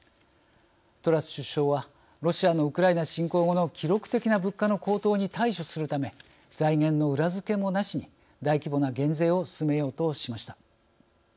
トラス首相はロシアのウクライナ侵攻後の記録的な物価の高騰に対処するため財源の裏付けもなしに大規模な減税を進めようとしました。